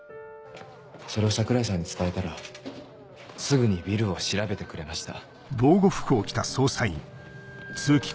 それを桜井さんに伝えたらすぐにビルを調べてくれました。